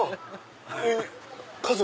家族！